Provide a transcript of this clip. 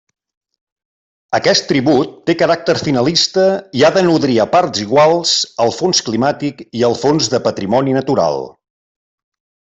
Aquest tribut té caràcter finalista i ha de nodrir a parts iguals el Fons climàtic i el Fons de patrimoni natural.